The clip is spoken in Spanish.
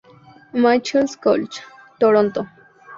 Michael's College, Toronto.